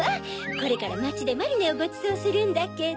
これからまちでマリネをごちそうするんだけど。